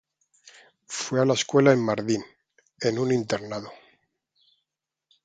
Fue a la escuela en Mardin, en un internado.